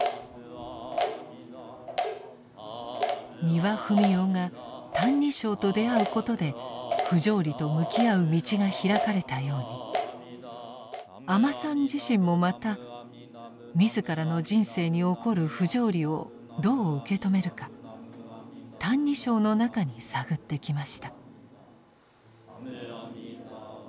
丹羽文雄が「歎異抄」と出会うことで不条理と向き合う道が開かれたように阿満さん自身もまた自らの人生に起こる不条理をどう受け止めるか「歎異抄」の中に探ってきました。